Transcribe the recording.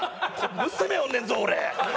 娘おるねんぞ俺。